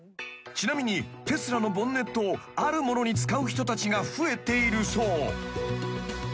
［ちなみにテスラのボンネットをあるものに使う人たちが増えているそう］